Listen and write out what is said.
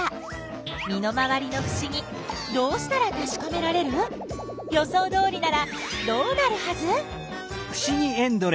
身の回りのふしぎどうしたらたしかめられる？予想どおりならどうなるはず？